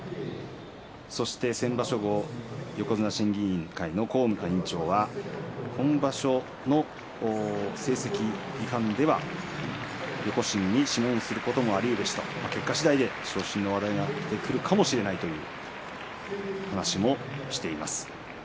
そして先場所後、横綱は審議会の高村委員長は今場所の成績いかんでは横審に諮問することもありと結果次第で昇進の話題が出てくるかもしれないという話をしていました。